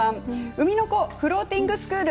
うみのこフローティングスクール